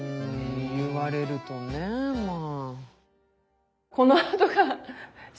言われるとねまあ。